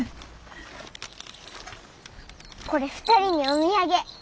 これ２人にお土産。